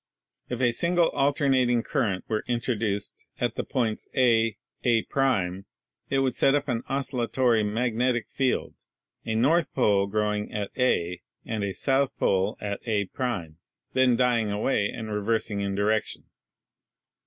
If a single alternating current were introduced at the points A A' it would set up an oscil latory magnetic field, a N pole growing at A, and a S pole at A', then dying away and reversing in direction.